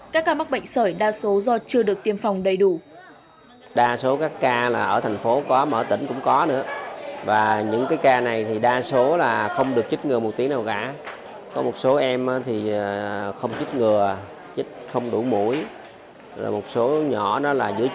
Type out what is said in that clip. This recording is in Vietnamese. các ca mắc bệnh sởi đa số do chưa được tiêm phòng đầy đủ